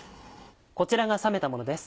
こちらが冷めたものです。